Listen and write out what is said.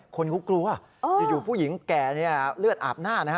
คนเขากลัวอยู่ผู้หญิงแก่เนี่ยเลือดอาบหน้านะฮะ